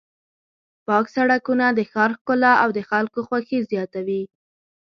پاک سړکونه د ښار ښکلا او د خلکو خوښي زیاتوي.